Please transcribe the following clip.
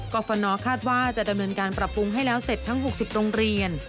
ฟนคาดว่าจะดำเนินการปรับปรุงให้แล้วเสร็จทั้ง๖๐โรงเรียน